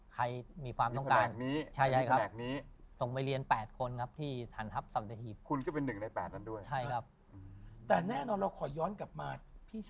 คนที่มีความต้องการ